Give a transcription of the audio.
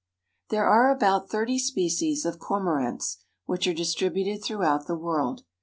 _) There are about thirty species of Cormorants which are distributed throughout the world.